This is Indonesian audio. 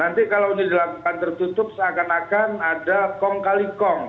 nanti kalau ini dilakukan tertutup seakan akan ada kong kali kong